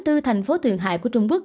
thành phố thượng hải của trung quốc